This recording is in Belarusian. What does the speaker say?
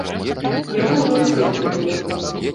Яго ўжо і следу не было.